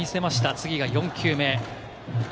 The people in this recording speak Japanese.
次が４球目。